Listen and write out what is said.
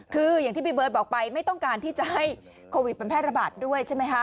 คืออย่างที่พี่เบิร์ตบอกไปไม่ต้องการที่จะให้โควิดมันแพร่ระบาดด้วยใช่ไหมคะ